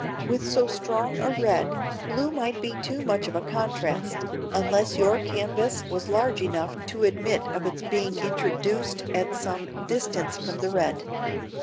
With so strong a red, blue might be too much of a contrast, unless your canvas was large enough to admit of its being introduced at some distance from the red.